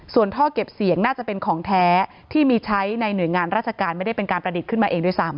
ส่วนท่อเก็บเสียงน่าจะเป็นของแท้ที่มีใช้ในหน่วยงานราชการไม่ได้เป็นการประดิษฐ์ขึ้นมาเองด้วยซ้ำ